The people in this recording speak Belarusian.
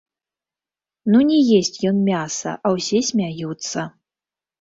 Ну не есць ён мяса, а ўсе смяюцца.